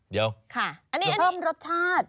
เดี๋ยวค่ะต้องรสชาติ